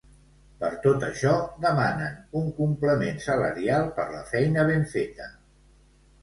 Per tot això, demanen un complement salarial per la feina ben feta.